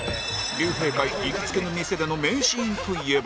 竜兵会行きつけの店での名シーンといえば